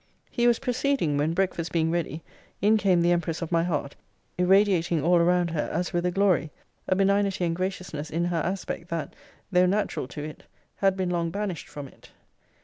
He was proceeding, when, breakfast being ready, in came the empress of my heart, irradiating all around her, as with a glory a benignity and graciousness in her aspect, that, though natural to it, had been long banished from it.